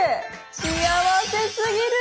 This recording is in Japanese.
幸せすぎる。